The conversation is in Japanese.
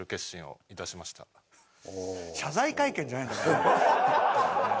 謝罪会見じゃないんだから。